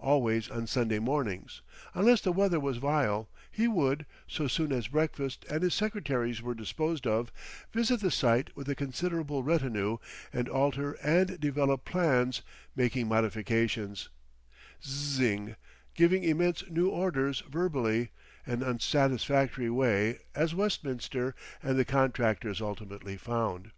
Always on Sunday mornings, unless the weather was vile, he would, so soon as breakfast and his secretaries were disposed of, visit the site with a considerable retinue, and alter and develop plans, making modifications, Zzzz ing, giving immense new orders verbally—an unsatisfactory way, as Westminster and the contractors ultimately found.